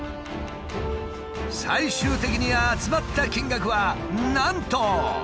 最終的に集まった金額はなんと。